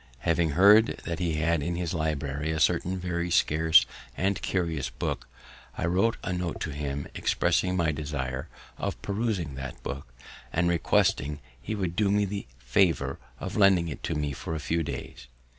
Having heard that he had in his library a certain very scarce and curious book, I wrote a note to him, expressing my desire of perusing that book, and requesting he would do me the favour of lending it to me for a few days.